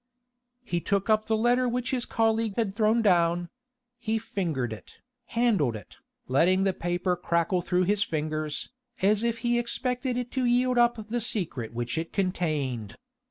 He took up the letter which his colleague had thrown down: he fingered it, handled it, letting the paper crackle through his fingers, as if he expected it to yield up the secret which it contained.